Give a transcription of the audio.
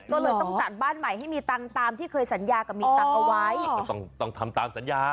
ก็เลยต้องจัดบ้านใหม่ให้มีตังค์ตามที่เคยสัญญากับมีตังค์เอาไว้ก็ต้องต้องทำตามสัญญา